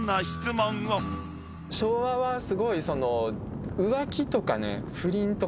昭和はすごい。